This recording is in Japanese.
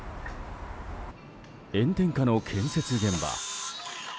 炎天下の建設現場。